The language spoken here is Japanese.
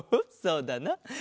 そうだな。